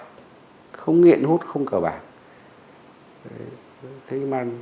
để không bỏ lỡ những video hấp dẫn